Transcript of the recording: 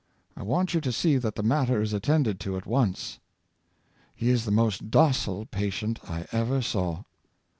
I want you to see that the matter is attended to at once.' He is the most docile patient I ever saw."